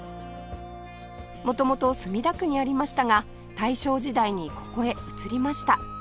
元々墨田区にありましたが大正時代にここへ移りました